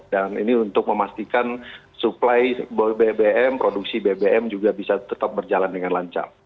dan ini untuk memastikan suplai bbm produksi bbm juga bisa tetap berjalan dengan lancar